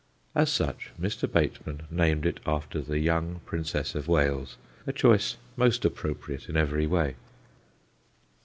As such Mr. Bateman named it after the young Princess of Wales a choice most appropriate in every way.